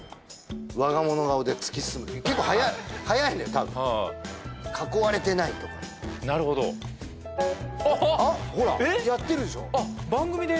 わがもの顔で突き進む結構速いのよ多分囲われてないとかなるほどあっほらやってるでしょあ番組で？